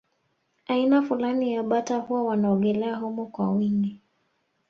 Aina fulani ya bata huwa wanaogelea humo kwa wingi